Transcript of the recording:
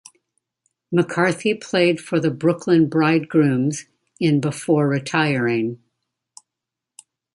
McCarthy played for the Brooklyn Bridegrooms in before retiring.